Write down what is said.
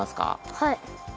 はい。